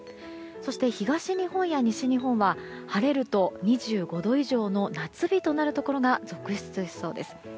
そして、東日本や西日本は晴れると２５度以上の夏日となるところが続出しそうです。